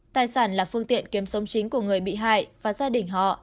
tài sản là phương tiện kiếm sống chính của người bị hại và gia đình họ